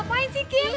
kamu ngapain sih kim